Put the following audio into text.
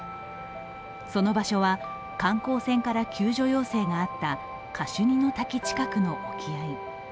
その場所は観光船から救助要請があったカシュニの滝近くの沖合。